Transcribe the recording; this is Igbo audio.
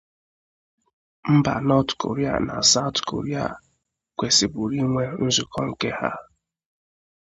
mba Nọt Korịa na Saụt Korịa kwesịburu ịnwe nzukọ nke ha